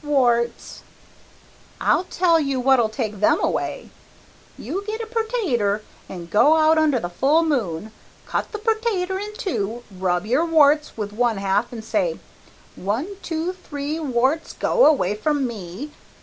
"Warts." "I'll tell you what'll take them away. You get a pertater and go out under the full moon, cut the pertater in two, rub your warts with one half and say, 'One, two, three, warts, go away from me.